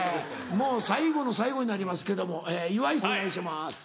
もう最後の最後になりますけども岩井お願いします。